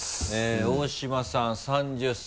大島さん３０歳。